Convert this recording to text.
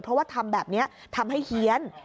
เพราะว่าทำแบบนี้ทำให้เฮียน